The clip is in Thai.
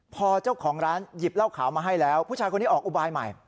พอเจ้าของร้านหยิบเหล้าขาวมาให้แล้วผู้ชายคนนี้ออกอุบายใหม่